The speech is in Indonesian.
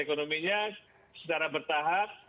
ekonominya secara bertahap